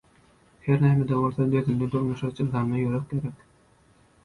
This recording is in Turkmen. Her näme-de bolsa, dözümli durmuşa çydamly ýürek gerek.